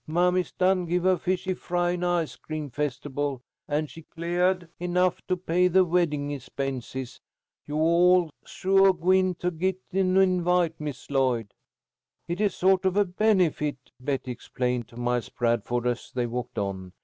Mammy's done give her fish fry and ice cream festible, and she cleahed enough to pay the weddin' expenses. You all's suah gwine to git an invite, Miss Lloyd." "It is sort of a benefit," Betty explained to Miles Bradford, as they walked on.